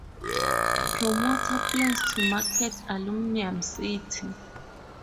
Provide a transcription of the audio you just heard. Promoter Plans to Market 'Aluminum City'.